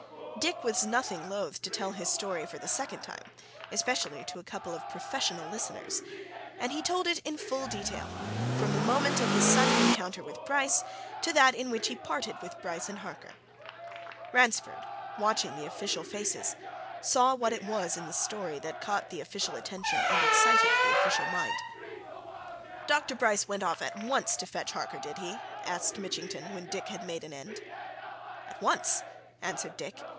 Dick was nothing loth to tell his story for the second time especially to a couple of professional listeners. And he told it in full detail, from the moment of his sudden encounter with Bryce to that in which he parted with Bryce and Harker. Ransford, watching the official faces, saw what it was in the story that caught the official attention and excited the official mind. "Dr. Bryce went off at once to fetch Harker, did he?" asked Mitchington, when Dick had made a end. "At once," answered Dick.